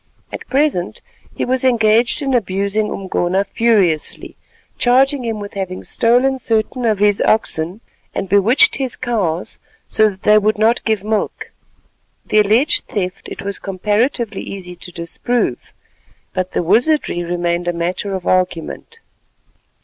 At present he was engaged in abusing Umgona furiously, charging him with having stolen certain of his oxen and bewitched his cows so that they would not give milk. The alleged theft it was comparatively easy to disprove, but the wizardry remained a matter of argument.